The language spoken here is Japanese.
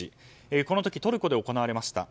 この時、トルコで行われました。